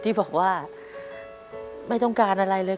ที่บอกว่าไม่ต้องการอะไรเลย